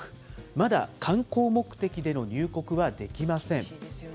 まだ観光目的での入国はできません。